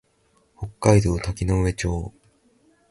北海道滝上町